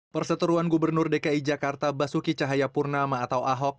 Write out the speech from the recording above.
perseteruan gubernur dki jakarta basuki cahayapurnama atau ahok